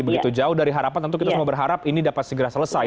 begitu jauh dari harapan tentu kita semua berharap ini dapat segera selesai